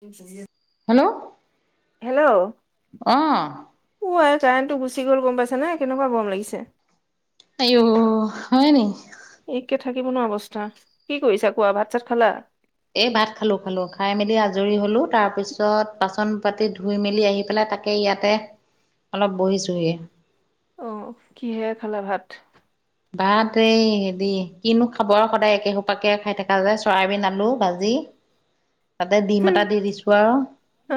উ। হেল্ল', আহ। ও আই কাৰেণ্টটো গুচি গ'ল গম পাইছে নে কেনেকুৱা গৰম লাগিছে। অঔ হয় নি। একে থাকিব ন', অৱস্থা কি কৰিছা কোৱা ভাত চাত খালা। এই ভাত খালো খালো খাই মেলি আজৰি হ'লো তাৰ পিছত পাচন পাতি ধুই মেলি আহি পেলাই তাকে ইয়াতে অলপ বহিছোহি। অ', কিহে খালা ভাত? ভাত এই হেৰি কিনো খাব আৰু সদায় একে সোপাকে খাই থকা যায় চয়াবিন আলু ভাজি। [inaudible] তাতে ডিম হুম, এটা দি দিছো আৰু অ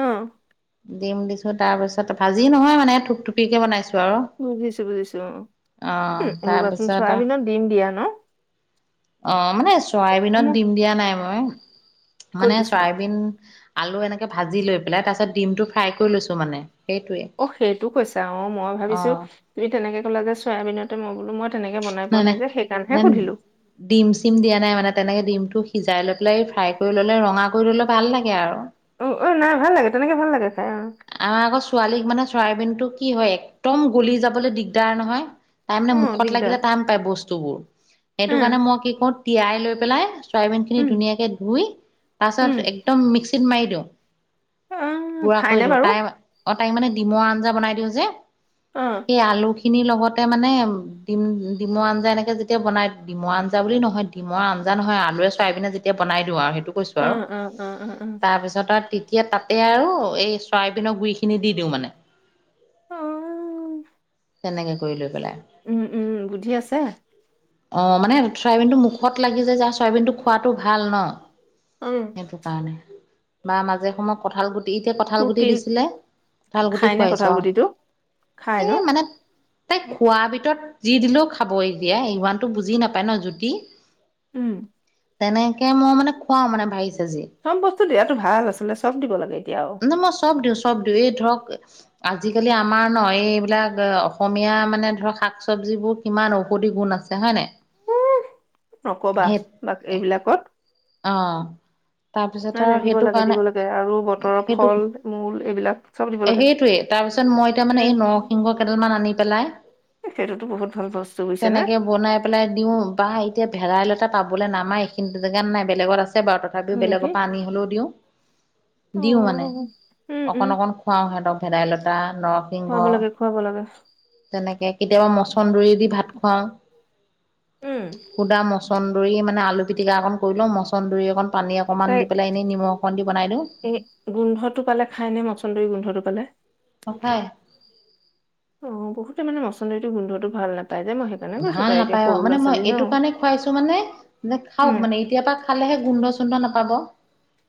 দিম দিছো তাৰ পিছত ভাজি নহয় মানে থুপথুপিকে বনাইছো। আৰু বুজিছো বুজিছো অ', অ উম ৰৰুবাচোন তাৰপিছত চয়া'বিনত দিম দিয়া ন'। অ', মানে চয়াবিনত মোক দিম দিয়া নাই মই ক'ত মানে দিছা চয়াবিন আলু এনেকে ভাজি লৈ পেলাই তাৰ পিছত ডিমটো ফ্ৰাই কৰি লৈছো মানে। সেইটোৱে অ', সেইটোও কৈছা অ', মই অ ভাবিছো তুমি তেনেকে ক'লা যে চয়াবিনতে মই বোলো মই তেনেকে বনাই পোৱা নাই নাই যে সেইকাৰণেহে নাই সুধিলো ডিম চিম দিয়া নাই মানে তেনেকে। ডিমটো সিজাই লৈ পেলাই ফ্ৰাই কৰি ল'লে ৰঙা কৰি ললে ভাল লাগে আৰু। অ', অ', নাই ভাল লাগে তেনেকে ভাল লাগে। খাই অ আমাৰ আগৰ ছোৱালীক মানে চয়াবিনটো কি হয় একদম গলি যাবলৈ দিগদাৰ নহয়। তাই অ মানে মুখত দিগদাৰ লাগিলে টান পায় বস্তুবোৰ, সেইটো উম কাৰণে মই কি কৰো তিয়াই লৈ পেলাই ফ্ৰাইবেনখিনি উম ধুনীয়াকে ধুই উম তাৰপিছত একদম মিক্সিত মাৰি দিওঁ। অ বুঢ়া কৰি খাইনে দি বাৰু তাই অ তাই মানে ডিমৰ আঞ্জা বনাই দিওঁ যে অ সেই আলু খিনিৰ লগতে মানে ডিম ডিমৰ আঞ্জা এনেকে যেতিয়া বনায় ডিমৰ আঞ্জা বুলি নহয় ডিমৰ আঞ্জা নহয় আলুৱে চয়াবিনে যেতিয়া বনাই দিওঁ আৰু সেইটো কৈছো আৰু উম, উম, উম, উম, উম, তাৰপিছত আৰু এতিয়া তাতে আৰু এই চয়াবিনৰ গুৰিখিনি দি দিওঁ মানে। উহ তেনেকে কৰি লৈ পেলাই। উম উম বুদ্ধি আছে। অ মানে চয়াবিনটো মুখত লাগি যায় যে চয়াবিন টো খোৱাাতটো ভাল ন। উম। সেইটো কাৰণে বা মাজে সময় কঁঠাল গুটি এতিয়া কঁঠাল গুটি প্ৰটিন দিছিলে কঠাল গুটি খাই নে খুৱাইছোঁ কঁঠাল আৰু গুটিটো? খাই ন? এই মানে তাই খোৱাৰ ভিতৰত যি দিলেও খাব এতিয়া ইমানতো বুজি নাপায় ন জুতি। উম তেনেকে মই মানে খুৱাও মানে ভাবিছ চব বস্তু দিয়াতো ভাল আছিলে চব দিব লাগে এতিয়া। আৰু ন মই চব দিও [unintelligible] আজিকালি আমাৰ ন এইবিলাক অ অসমীয়া মানে ধৰক শাক শৱজি যিবোৰ কিমান ঔষধি গুণ আছে হয় নাই? উ নকবা এইবিলাকত অহ তাৰপিছত নাই নাই আৰু দিব সেইটো লাগে কাৰণে দিব লাগে আৰু বতৰৰ সেইটো ফল মূল এইবিলাক চব দিব লাগে। সেইটোৱে। তাৰ পিছত মই এতিয়া মানে উম, এই নৰসিংহ কেইডাল মান আনি পেলাই সেইটোতো বহুত ভাল বস্তু বুজিছা নে? তেনেকে বনাই পেলাই দিওঁ বা এতিয়া ভেদাইলতা পাবলৈ নামাই এইখিনিতে জেগাত নাই বেলেগত আছে বাৰু তথাপিও হয় নেকি? বেলেগৰ পৰা আনি হ'লেও দিওঁ। অ', দিও মানে উম, উম, অকন- অকন খুৱাও সিহঁতক ভেদাইলতা খুৱাব নৰসিংহ লাগে-খুৱাব লাগে। তেনেকে কেতিয়াবা মচন্দৰি দি ভাত খুৱাওঁ। উম, সুদা মচন্দৰী মানে আলু পিটিকা অকণ কৰি লওঁ মচন্দৰী অকণ পানী অকণমান তাই দি পেলাই এনেই নিমখ অকণ দি বনাই দিওঁ এই গোন্ধটো পালে খাই নে মচন্দৰী গোন্ধটো পালে? সচায়। অ, বহুতে মানে মচন্দৰি টো গোন্ধটো ভাল নাপ ভাল নাপায় অ, মানে মই ন এইটো কাৰণে খুৱাইছো মানে যে খাওক উম মানে এতিয়াৰ পৰা খালেহে গোন্ধ চো চোন্ধ নাপাব।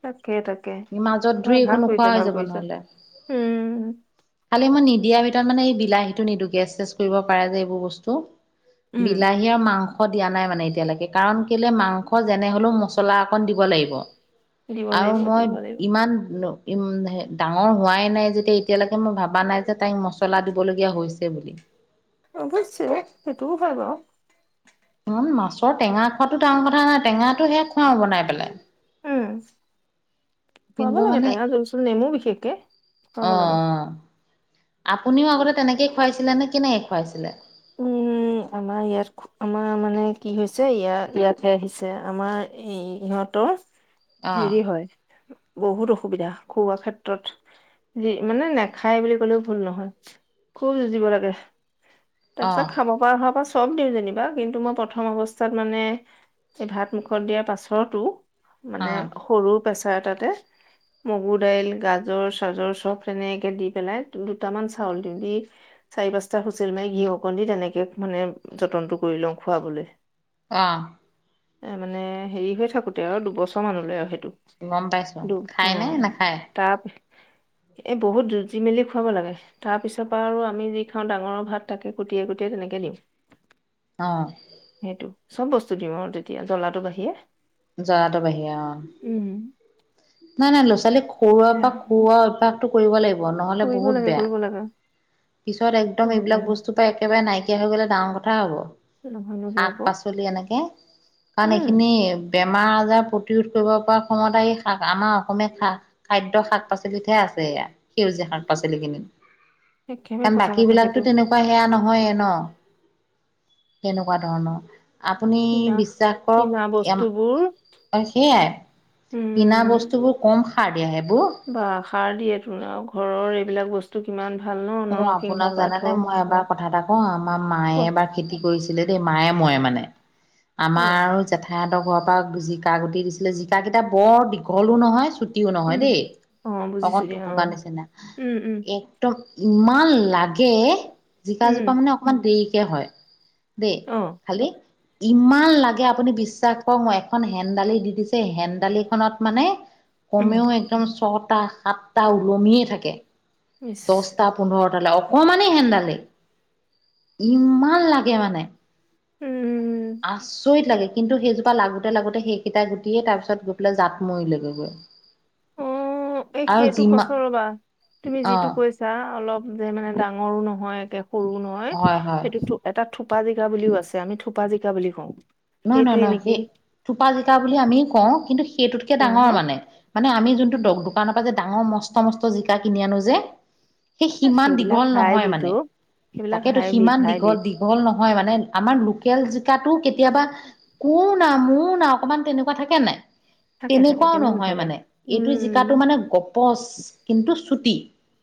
তাকে তাকে মাজত ধুই হয় একো ভাল নোখোৱা কৰিছে হৈ ভাল যাব কৰিছে নহ'লে। উম কালি মই নিজে দিয়াৰ ভিতৰত মানে এই বিলাহীটো নিদো গেছ চেছ কৰিব পাৰে যে এইবোৰ বস্তু উম বিলাহী আৰু মাংস মাংস দিয়া নাই মানে এতিয়ালৈকে কাৰণ কেলে মাংস যেনে হলেও মছলা অকণ দিব লাগিব। দিব আৰু লাগিব মই দিব লাগিব ইমান উম, ডাঙৰ হোৱাই নাই যেতিয়া এতিয়ালৈকে মই ভাবা নাই যে তাইক মছলা দিবলগীয়া হৈছে বুলি। অৱশ্যে সেইটোও হয় বা। উম, মাছৰ টেঙা খোৱাটো ডাঙৰ কথা নাই টেঙাটো সেই খাওঁ বনাই পেলাই। উম, খোৱাব কিন্তু লাগে মানে টেঙা জুলচুল নেমু বিশেষকে। খুৱাব অ, লাগে আপুনিও আগতে তেনেকে খুৱাইছিলে নে কেনেকে খুৱাইছিলে? উম, উম আমাৰ ইয়াত, আমাৰ মানে কি হৈছে ইয়াত-ইয়াতহে আহিছে আমাৰ, ইহঁতৰ অ হেৰি হয়, বহুত অসুবিধা খোৱাৰ ক্ষেত্ৰত, যি মানে নেখায় বুলি ক'লেও ভুল নহয়। খুব যুঁজিব লাগে, অ তাৰপিছত খাব পৰা হোৱাৰ পৰা চব দিওঁ যেনিবা কিন্তু মই প্ৰথম অৱস্থাত মানে এই ভাত মুখত দিয়াৰ পাছতো অ মানে সৰু প্ৰেছাৰ এটাতে মগুৰ দাইল, গাজৰ, চাজৰ চব সেনেকে দি পেলাই দুটামান চাউল দিওঁ, দি চাৰি, পাঁচটা হুইচেল মাৰি ঘি অকণ দি তেনেকে মানে যতনটো কৰি লওঁ খুৱাবলৈ। অ'। এ, মানে হেৰিহৈ থাকোঁতে আৰু দুবছৰ মানলৈ আৰু গম পাইছো দু খায় নে অ', নাখায় তাৰপি এই বহুত যুজি, মেলি খুৱাব লাগে, তাৰপিছৰ পৰা আৰু আমি যি খাওঁ ডাঙৰৰ ভাত তাকে কটিয়াই, কটিয়াই তেনেকে দিওঁ। অ'। সেইটো চব বস্তু দিওঁ আৰু তেতিয়া, জ্বলাটো বাহিৰে। যোৱাতো বাহিৰে অ'। উম নাই, নাই ল'চালীক [unintelligible] সেয়া। পৰা উম খুওঁৱা অভ্যাসটো কৰিব লাগিব নহ'লে কৰিব বহুত লাগে বেয়া কৰিব লাগে পিছত একদম উম, এইবিলাক উম, বস্তু পাই একেবাৰে নাইকিয়া হৈ গ'লে ডাঙৰ কথা হ'ব। নহয়নো কি শাক আকৌ পাচলি এনেকে, কাৰণ উম এইখিনি বে বেমাৰ আজাৰ প্ৰতিৰোধ কৰিব পৰা ক্ষমতা এই শাক আমাৰ অসমীয়া খা-খাদ্য শাক পাচলিতহে আছে। য়া, সেউজীয়া শাক পাচলি কিনিম। একেবাৰে কাৰণ সঁচা বাকী কথাকে বিলাকতো দিওঁ তেনেকুৱা সেয়া নহ'য়ে ন? তেনেকুৱা ধৰণৰ আপুনি কিনা বিশ্বাস কৰক, কিনা বস্তুবোৰ এ-সেয়াই কিনা উম বস্তুবোৰ কম সাৰ দিয়া সেইবোৰ। বা, সাৰ দিয়েটো আৰু ঘৰৰ এইবিলাক বস্তু কিমান ভাল ন অ', নৰসিংহ আপোনাক পাত জানেনে? হওক মই এবাৰ কথা এটা ক' আমাৰ মায়ে কোৱা এবাৰ খেতি কৰিছিলে দেই, মায়ে, ময়ে মানে। অ আমাৰ আৰু জেঠাইহঁতৰ ঘৰৰ পৰা জিকা গুটি দিছিলে, জিকাকিটা বৰ দীঘলো নহয়, চুট ও, নহয় উম দেই, অ বুজিছো অকণ দিয়া অ থুপুকা নিচিনা উম উম একদম ইমান লাগে, উম জিকাজোপা মানে অকমান দেৰিকে হয়। দেই অ খালি ইমান লাগে আপুনি বিশ্বাস কৰক, মই এখন হেন্দালি দি দিছে হেন্দালিখনত মানে উম কমেও একদম ছটা, সাতটা ওলমিয়ে থাকে ইচ দচটা, পোন্ধৰ অকমানি হেন্দালি, ইমান লাগে মানে উম আচৰিত লাগে কিন্তু সেইজোপা লাগোতে, লাগোতে সেইকেইটা গুটিয়েই তাৰ পিছত গৈ পেলাই জাত মৰিলেগৈগৈ অ' অ', এই আৰু সেইটো যিমা সচৰ ৰ'বা, তুমি যিটো অ' কৈছা অলপ যে, মানে ডাঙৰো নহয় একে সৰু নহয়। হয় হয় সেইটো এটা থোপা জিকা বুলিও আছে আমি থোপা জিকা বুলি কওঁ। নহয় নহয় সেইটোৱে নহয় সেই নেকি? থোপা জিকা বুলি আমি কওঁ। কিন্তু সেইটোতকে কোৱা ন ডাঙৰ মানে মানে আমি যোনটো দ দোকানৰ পৰা যে ডাঙৰ মস্ত মস্ত জিকা কিনি আনো যে সেই এ, সিমান সেইবিলাক দীঘল নহয় হাইব্ৰীড মানে, অ', সেইবিলাক তাকেতো হাইব্ৰীড সিমান দীঘল হাইব্ৰীড দীঘল নহয় হয়, মানে আমাৰ লোকেল জিকাটো কেতিয়াবা কো না মোৰ না অকমান তেনেকুৱা থাকে নাই। থাকে থাকে তেনেকুৱাও কেনে নহয় নাথাকে মানে এইটো উম জিকাটো মানে গপচ, কিন্তু চুটি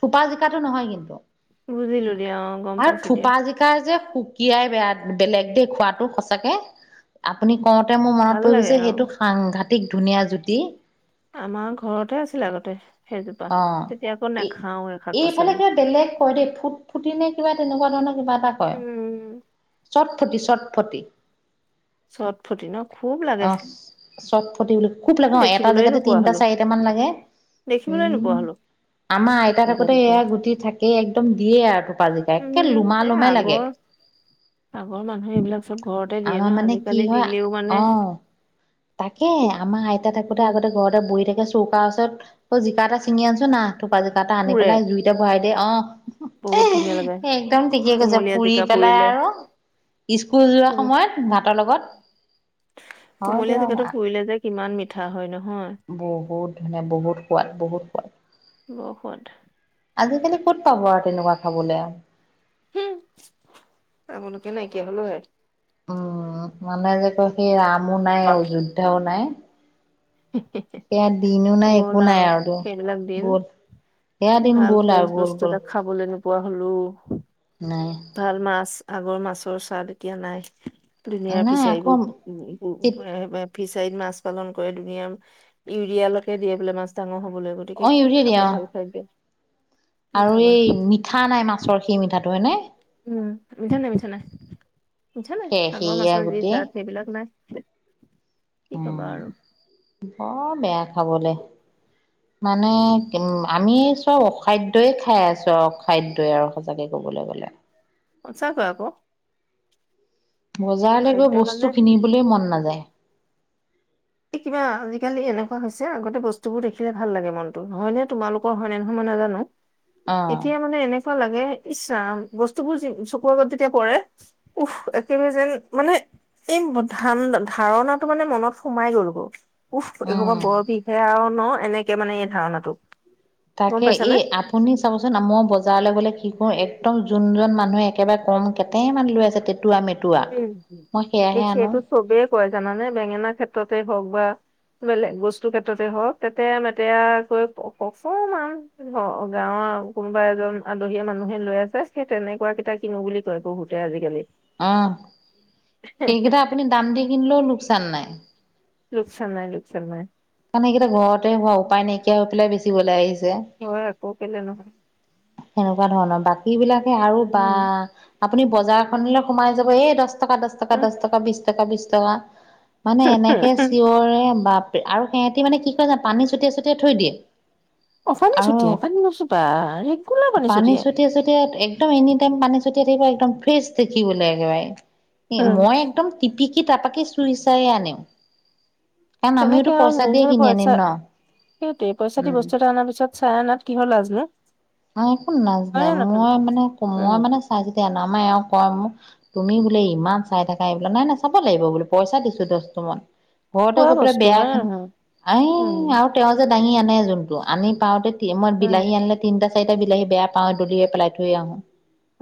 থোপা জিকাটো নহয়, কিন্তু বুজিলো দিয়া অ', গম আৰু পাইছো দিয়া থোপা জিকা যে সুকিয়াই বেয়া বেলেগ দেই খোৱাটো সঁচাকে আপুনি কওঁতে মোৰ মনত ভাল পৰি লাগে গৈছে। অ', সেইটো সাংঘাতিক ধুনীয়া জুতি আমাৰ ঘৰতে আছিলে আগতে সেইজোপা অ' তেতিয়া আকৌ এই নাখাওৱে শাক এইফালে পাচলি কিবা বেলেগ কয় দেই ফুট ফুটি নে কিবা তেনেকুৱা ধৰণৰ কিবা এটা কয় উম চট ফুটি, চট ফটি। চট ফটি ন খুব লাগে। অ চট ফটিলো খুব লাগে অ এটা দেখিবলৈ জেগাতে তিনটা চাৰিটা মান লাগে ন উম পঢ়ালো আমাৰ আইতা থাকোতে এয়া গুটি থাকেই একদম দিয়ে আৰু টোপাজিকাই একে উম। লোমা এ লোমাই লাগে আগৰ আগৰ মানুহে এইবিলাক চব ঘৰতে দিয়ে আমাৰ ন মানে কি আজিকালি হয় দিলেও মানে অহ তাকেই পোক আমাৰ আইতা থাকোতে উম, আগতে ঘৰতে বহি থাকে চৌকাৰ ওচৰত জিকা এটা ছিঙি আনছো না থুকাজোকা এটা আনি পুৰে পেলাই জুইতে ভৰাই দিয় অ এ বহুত ধুনীয়া লাগে একদম ঠিকে কৈছে কুমলীয়া পুৰি জিকা পেলাই পুৰিলে। আৰু স্কুল যোৱা কুম সময়ত ভাতৰ লগত হয় কুমলীয়া দিয়ক জেগাতো পুৰিলে যে কিমান মিঠা হয় ন বহুত ধুনীয়া বহুত সোৱাদ বহুত সোৱাদ বৰ সোৱাদ। আজিকালি ক'ত পাব আৰু তেনেকুৱা খাবলৈ আও হম আপালোকে নাইকিয়া হল হ উম মানে যে কয় সেই ৰামো নাই অযোধ্যাও নাই সেয়া দিনো নাই একো গ'ল নাই আৰু আৰুতো সেইবিলাগ দিন গ'ল সেয়া দিন ভাল গ'ল আৰু ফ্ৰেজ গ'ল বস্তু গ'ল এটা খাবলৈ নোপোৱা হলো নাই ভাল মাছ আগৰ মাছৰ চাদ এতিয়া নাই ধুনীয়া নাই ফিচা আকৌ এইবোৰ এইবোৰ ফিচাৰীত মাছ পালন কৰে ধুনীয়া ইউৰিয়ালৈকে দিয়ে বোলে মাছ ডাঙৰ হ বোলে অ গতিকে কি ইউৰিয়া দিয়া খাবা অ ভাল খাই যে আৰু এই মিঠা নাই মাছৰ সেই মিঠাটো হয় নে? উম মিঠা নাই মিছা নাই মিঠা নাই সে সাগৰ সেয়া মাছৰ যি গোটেই চাত সেইবিলাক নাই কি উম কবা আৰু বৰ বেয়া খাবলে [unintelligible] মানে উম আমি চব অসাদ্যই খাই আছো অসাদ্যয়ই আৰু সচাকে কব লাগিব [inaudible] সঁচাকৈ আকৌ বজাৰলৈ গৈ খাদ্য মানে বস্তু কিনিবলৈ মন নাযায় এই কিবা আজিকালি এনেকুৱা হৈছে আগতে বস্তু বোৰ দেখিলে ভাল লাগে মনতো নহয়নে তোমালোকৰ হয়নেহয় ন অ এতিয়া মানে উ লাগে ইচ্ছা বস্তুবোৰ চকুৰ আগত যেতিয়া পৰে উফ একেবাৰে যেন মানে এই ধান ধাৰণাটো মানে মনত সোমাই গল গ উষ এই উম বৰ বিষে আৰু ন এনেকে মানে এই ধাৰণাটোক তাকে এই আপুনি চাবচোন মই বজাৰলৈ গলে কি একদম যোনজন মানুহে একেবাৰে কম কেইটাই মান লৈ আছে তেটো আমি উম সেইটো চবেই কৰেয় জানাানে বেঙেনা ক্ষেত্ৰতে হওক বা। বেলেগ বস্তু ক্ষেত্ৰতে হওক তেতে মেতেয়াাকৈ কওকচোন আম গাঁৱৰ অ 'কোনোবা এজন আলহীয়া মানুহে লৈ আছে সেই তেনেকুৱা কেইটা কিনো বুলি কয় বহুতে আজিকালি অ সেইকেইটা আপুনি দাম দি কিনিলেও লোকচান নাই লোকচান নাই লুোকচান নাই কাৰনে এইকেইটা ঘৰতে হোৱা উপায় নাইকিয়া হৈ পেলাই বেছি গলে আহিছে হয় একৌ কেলে নহয় সেনেকুৱা ধৰণৰ বাকী বিলাকে আৰু বা উম, আপুনি বজাৰখনলৈ সোমাই যাব এই দহ টকা দচ টকা দশ টকা বিশ টকা বিশ টকা মানে এনেকে চিঞৰে বাপ আৰু সিহতি মানে কি ক জান পানী ছটিয়াই ছটিয়াই থৈ দিয়ে অফানী আৰু ছুটিয়াই পানী নচোবা পানী ছতিিয়াই ছতিয়াত এক একম এনি টাইম পানী ছটিয়াই থাকিব একদম ফ্ৰেছ দেখিবলৈ একেবাৰে উম, মই একদমি কি তাপাকে চুই চাই আনে তেনেকে আৰু মোৰ ম পইচা ন। স পইচা দি উম বস্তু এটা অনাৰ পিছত চায় নাত কিহৰ লাজনো মই একো হয় নাজানাই নে নহয়? মই মানে মই অ' মানে চাই যেতিয়া নামাই আও। কয় মোক তুমি বোলে ইমান চাই থাকা এই বিলাক নাই নাই চাব লাগিব বোলো পইচা দিছো দচটো মত। ঘতে ক খোৱা পৰা বস্তু হয় নে বেয়াখান নহয়? আ উম, আ তেওঁটঙ য [unintelligible] দাঙি আনে যোনটো আনি পাওঁতে সি মই উম, বিলাহী আনিলে তিনিটা। চাৰিটা বিলাহী বেয়া পাওঁ দলিয়াই পেলাই থৈ আহোঁ।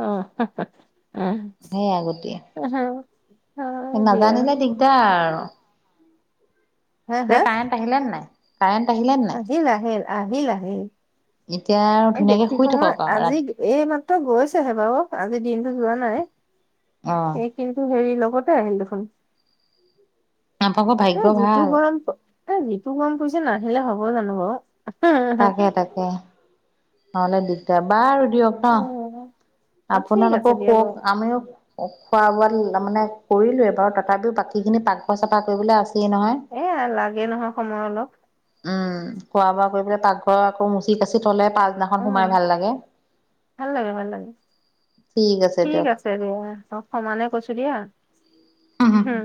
অহ হুহ সেইয়া গতিকে অহ‌ এহু। নাজানিলে দিগদাৰ আৰু। হা যে হা কাৰেণ্ট আহিলে নাই কাৰেণ্ট আহিলে নাই। আহিল আহিল আহিল। এতিয়া আৰু এই ধুনীয়াকে বেছি শুই সময় থাকক আৰু আজি ৰাতি এই মাত্ৰ গৈছেহে বাও আজি দিনতো যোৱা নাই। অ এই কিন্তু হেৰি লগতে আহিল দেখোন। আপোনালোকৰ ভাগ্য এ যিটো ভাল গৰম এ যিটো গৰম পৰিছে নাহিলে হ'ব জানোঁ বাও। তাকে তাকে নহ'লে দিগদাৰ বাৰু দিয়ক ন। অ ঠিক আছে আপোনালোকৰ দিয়া বাৰু শুৱক আমিও খোৱা বোৱাত। তাৰ মানে কৰিলোৱে বাৰু তথাপিও বাকী খিনি পাকঘৰ চাফা কৰিবলে আছ। এয়া লাগে নহয় সময় অলপ। উম খোৱা বোৱা কৰি পেলে পাকঘৰ আকৌ মুচি কাচি থলে। পাছদিনাখন উম সোমাই ভাল লাগে। ভাল লাগে ভাল লাগে ঠিক আছে দিয়া ত সমানে কৈছো দিয়া। দিয়ক উম।